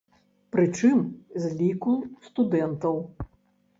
Прычым, з ліку студэнтаў.